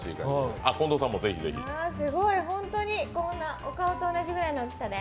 すごい、ホントにこんなお顔と同じくらいの大きさで。